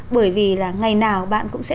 bởi vì là ngày nào bạn cũng sẽ